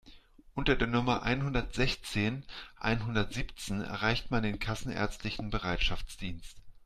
Unter der Nummer einhundertsechzehn einhundertsiebzehn erreicht man den kassenärztlichen Bereitschaftsdienst.